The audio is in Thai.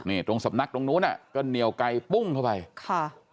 นี่ตรงสำนักตรงนู้นอ่ะก็เหนียวไกลปุ้งเข้าไปค่ะ